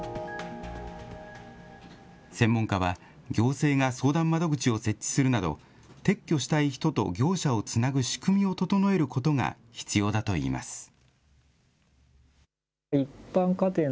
専門家は、行政が相談窓口を設置するなど、撤去したい人と、業者をつなぐ仕組みを整えることが必要だといいます。